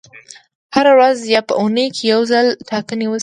هره ورځ یا په اونۍ کې یو ځل ټاکنې وشي.